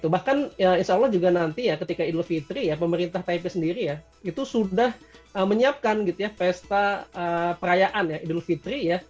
bahkan insya allah juga nanti ya ketika idul fitri ya pemerintah taipei sendiri ya itu sudah menyiapkan gitu ya pesta perayaan ya idul fitri ya